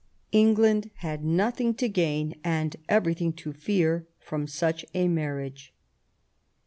England had nothing to gain and everything to fear from such a marriage.